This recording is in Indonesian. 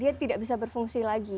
dia tidak bisa berfungsi lagi